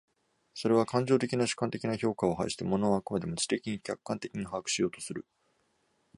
それは感情的な主観的な評価を排して、物を飽くまでも知的に客観的に把握しようとする。